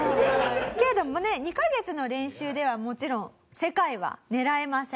けれどもね２カ月の練習ではもちろん世界は狙えません。